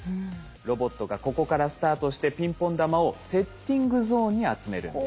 ロボットがここからスタートしてピンポン玉をセッティングゾーンに集めるんです。